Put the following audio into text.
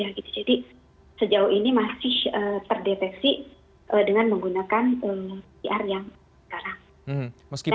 jadi sejauh ini masih terdeteksi dengan menggunakan pcr yang sekarang